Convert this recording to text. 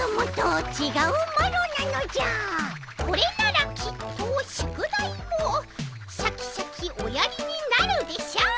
これならきっと宿題もシャキシャキおやりになるでしょう。